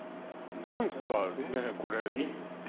何かねぇこれ。